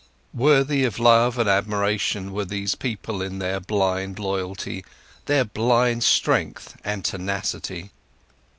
Worthy of love and admiration were these people in their blind loyalty, their blind strength and tenacity.